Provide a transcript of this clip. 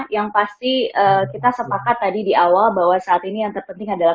yang pasti kita sepakat tadi di awal bahwa saat ini yang terpenting adalah